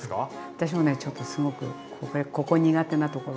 私もねちょっとすごくここ苦手なところ。